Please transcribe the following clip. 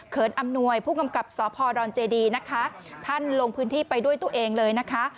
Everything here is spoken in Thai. อำนวยผู้กำกับสพดอนเจดีนะคะท่านลงพื้นที่ไปด้วยตัวเองเลยนะคะ